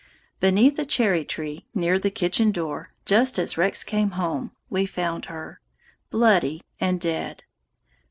Beneath a cherry tree near the kitchen door, just as Rex came home, we found her, bloody and dead.